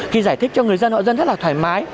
khi giải thích cho người dân họ dân rất là thoải mái